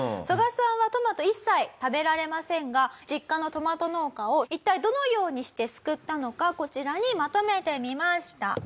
ソガさんはトマト一切食べられませんが実家のトマト農家を一体どのようにして救ったのかこちらにまとめてみました。